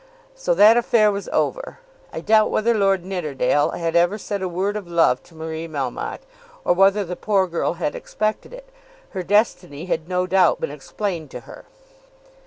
So that affair was over. I doubt whether Lord Nidderdale had ever said a word of love to Marie Melmotte, or whether the poor girl had expected it. Her destiny had no doubt been explained to her.